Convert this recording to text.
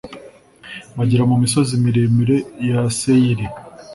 bagera mu misozi miremire ya seyiri